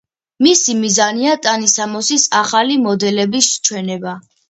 მისი მიზანია ტანისამოსის ახალი მოდელების ჩვენება.